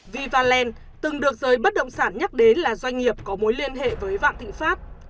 vivaland từng được giới bất động sản nhắc đến là doanh nghiệp có mối liên hệ với vạn thịnh pháp